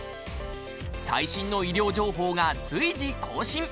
最新の医療情報が随時更新。